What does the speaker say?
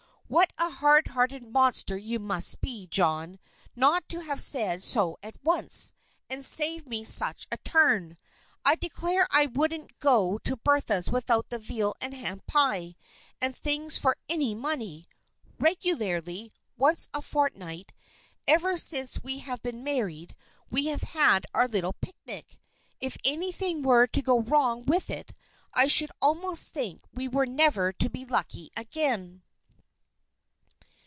"What a hard hearted monster you must be, John, not to have said so at once, and saved me such a turn! I declare I wouldn't go to Bertha's without the veal and ham pie and things for any money. Regularly, once a fortnight, ever since we have been married we have had our little picnic. If anything were to go wrong with it, I should almost think we were never to be lucky again."